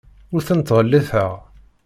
Ur ten-ttɣelliteɣ.